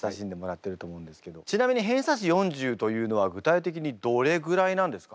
ちなみに偏差値４０というのは具体的にどれぐらいなんですか？